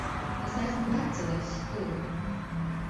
Es esmu veca, nevis stulba!